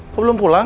kau belum pulang